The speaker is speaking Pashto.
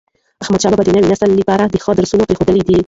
احمدشاه بابا د نوي نسل لپاره د ښو درسونه پريښي دي.